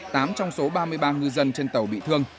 tám trong số ba mươi ba ngư dân trên tàu bị thương